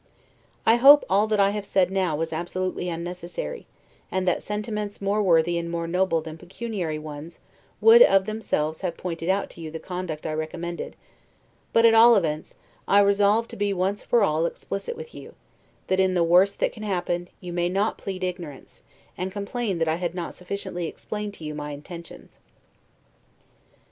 I hope all that I have now said was absolutely unnecessary, and that sentiments more worthy and more noble than pecuniary ones, would of themselves have pointed out to you the conduct I recommend; but, at all events, I resolved to be once for all explicit with you, that, in the worst that can happen, you may not plead ignorance, and complain that I had not sufficiently explained to you my intentions.